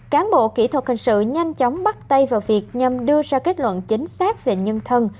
cán bộ kỹ thuật hình sự nhanh chóng bắt tay vào việc nhằm đưa ra kết luận chính xác về nhân thân